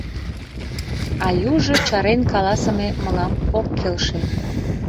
А южо чарен каласыме мылам ок келше.